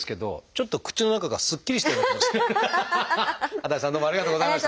安達さんどうもありがとうございました。